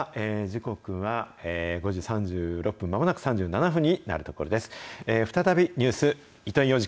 時刻は５時３６分、まもなく３７分になるところです。